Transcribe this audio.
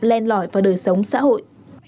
len lỏi vào đời sống xã hội